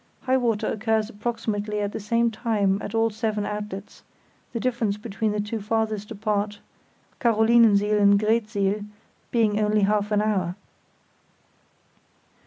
High water occurs approximately at the same time at all seven outlets, the difference between the two farthest apart, Carolinensiel and Greetsiel, being only half an hour.